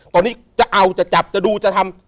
ตอนนี้จะเอาจะจับจะดูจะทำ